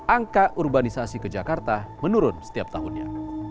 angka urbanisasi ke jakarta menurun setiap tahunnya